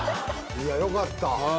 いやよかった。